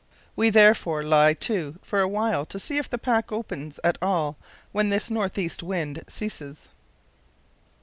We therefore lie to for a while to see if the pack opens at all when this north east wind ceases."